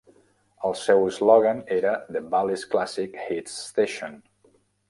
El seu eslògan era The Valley's Classic Hits Station.